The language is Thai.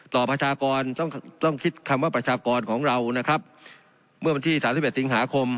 ประชากรต้องต้องคิดคำว่าประชากรของเรานะครับเมื่อวันที่สามสิบเอ็ดสิงหาคม